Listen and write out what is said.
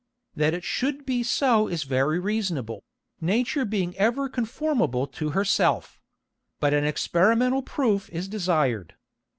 That it should be so is very reasonable, Nature being ever conformable to her self; but an experimental Proof is desired.